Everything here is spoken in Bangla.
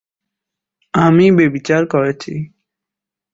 আমি ব্যভিচার করেছি।